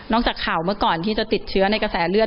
จากข่าวเมื่อก่อนที่จะติดเชื้อในกระแสเลือด